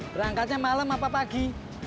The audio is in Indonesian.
berangkatnya malem apa pagi